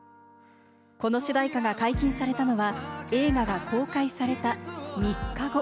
この主題歌が解禁されたのは映画が公開された３日後。